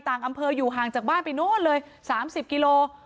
ต่างอำเภออยู่ห่างจากบ้านไปโน้นเลย๓๐กิโล